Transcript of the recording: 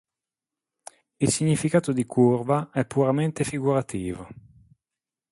Il significato di "curva" è puramente figurativo.